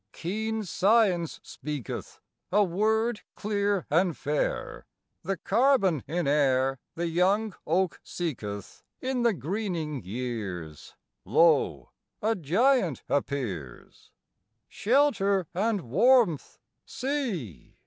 Keen science speaketh A word clear and fair "The carbon in air The young oak seeketh In the greening years, Lo, a giant appears! "Shelter and warmth, see!